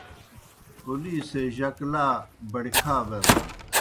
پولیسے جک لا بَڑیْ کھا بینَن۔